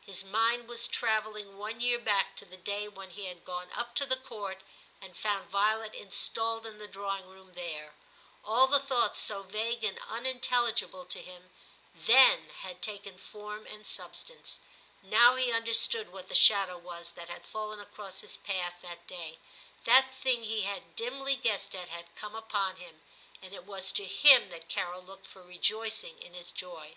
His mind was travelling one year back to the day when he had gone up to the Court and found Violet installed in the drawing room there ; all the thoughts so vague and unintelligible to him then had taken form and substance ; now he understood what the shadow was that had fallen across his path that day ; that thing he had dimly guessed at had come upon him, and it was to him that Carol looked for rejoicing in his joy.